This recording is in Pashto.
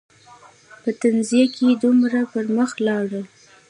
په تنزیه کې دومره پر مخ لاړل.